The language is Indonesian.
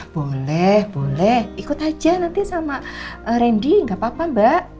boleh boleh ikut aja nanti sama ren dih gak apa apa mbak